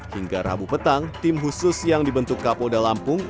hingga rabu petang tim khusus yang dibentuk kapolda lampung